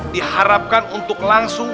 diharapkan untuk langsung